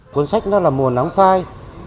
cuốn sách đó là mùa nắng phai